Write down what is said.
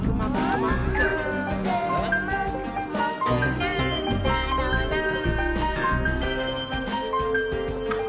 「もーくもくもくなんだろなぁ」